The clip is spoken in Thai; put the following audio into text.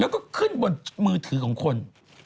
แล้วก็ขึ้นบนมือถือของคน